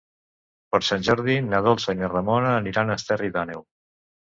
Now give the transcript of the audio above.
Per Sant Jordi na Dolça i na Ramona aniran a Esterri d'Àneu.